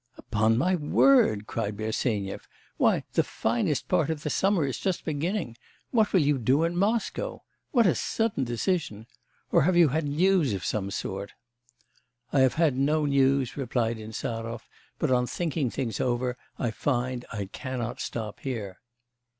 'Upon my word!' cried Bersenyev. 'Why, the finest part of the summer is just beginning. What will you do in Moscow? What a sudden decision! Or have you had news of some sort?' 'I have had no news,' replied Insarov; 'but on thinking things over, I find I cannot stop here.